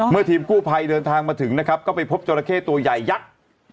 ทีมกู้ภัยเดินทางมาถึงนะครับก็ไปพบจราเข้ตัวใหญ่ยักษ์